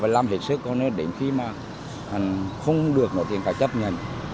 làm hết sức đến khi mà không được thì phải chấp nhận